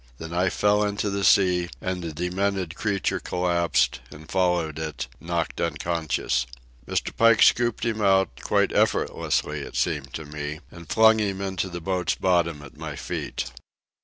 The knife fell into the sea, and the demented creature collapsed and followed it, knocked unconscious. Mr. Pike scooped him out, quite effortlessly it seemed to me, and flung him into the boat's bottom at my feet.